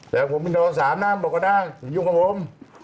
แต่ผมมีทวนสามน้ำบกด้านอยู่กับผม